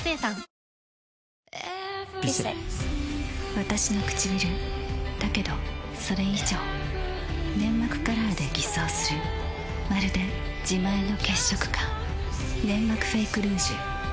わたしのくちびるだけどそれ以上粘膜カラーで偽装するまるで自前の血色感「ネンマクフェイクルージュ」